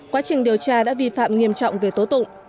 quá trình điều tra đã vi phạm nghiêm trọng về tố tụng